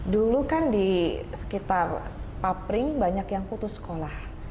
dulu kan di sekitar papring banyak yang putus sekolah